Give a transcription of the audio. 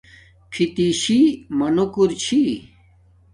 فتشی منوکُر چھی